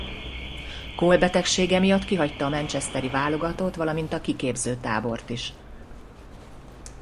Cole betegsége miatt kihagyta a manchesteri válogatót valamint a kiképzőtábort is.